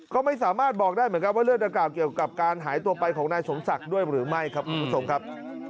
ก็ไม่สามารถบอกได้เหมือนกันว่าเลือดดังกล่าวเกี่ยวกับการหายตัวไปของนายสมศักดิ์ด้วยหรือไม่ครับคุณผู้ชมครับ